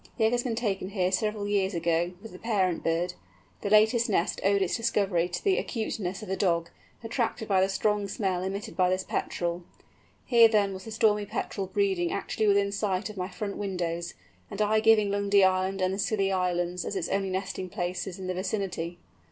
The egg had been taken here several years ago, with the parent bird; the latest nest owed its discovery to the acuteness of a dog, attracted by the strong smell emitted by this Petrel. Here then was the Stormy Petrel breeding actually within sight of my front windows, and I giving Lundy Island and the Scilly Islands as its only nesting places in the vicinity!